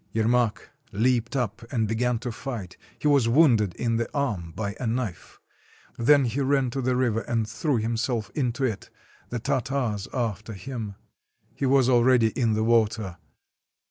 Yer mak leaped up and began to fight. He was wounded in the arm by a knife. Then he ran to the river and threw himself into it — the Tartars after him. He was already in the water.